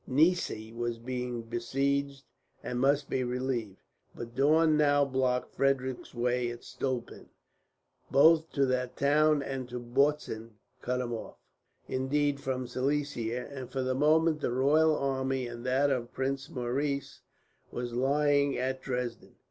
Neisse was being besieged and must be relieved, but Daun now blocked Frederick's way at Stolpen, both to that town and to Bautzen cut him off, indeed, from Silesia, and for the moment the royal army and that of Prince Maurice were lying at Dresden.